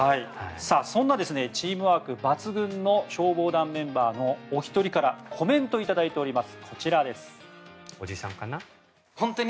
そんなチームワーク抜群の消防団メンバーのお一人からコメントをいただいております。